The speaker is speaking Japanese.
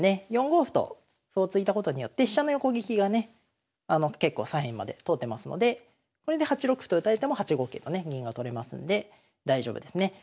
４五歩と歩を突いたことによって飛車の横利きがね結構左辺まで通ってますのでこれで８六歩と打たれても８五桂とね銀が取れますんで大丈夫ですね。